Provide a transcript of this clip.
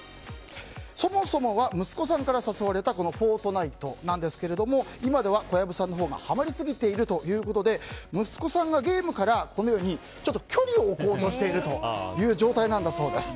そもそもは息子さんから誘われた「フォートナイト」ですが今では小籔さんのほうがはまりすぎているということで息子さんがゲームからこのように距離を置こうとしているという状態なんだそうです。